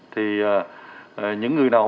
thì những người nào